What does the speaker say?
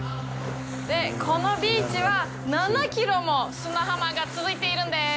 このビーチは７キロも砂浜が続いているんです。